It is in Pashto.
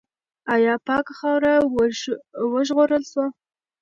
آیا پاکه خاوره وژغورل سوه؟